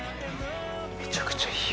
めちゃくちゃいい湯。